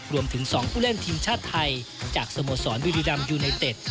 รวมถึง๒ผู้เล่นทีมชาติไทยจากสโมสรบุรีรัมยูไนเต็ด